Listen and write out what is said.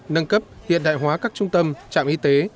nâng cấp hiện đại hóa các trung tâm trạm y tế